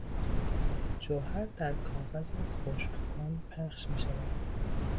جوهر در کاغذ خشککن پخش میشود.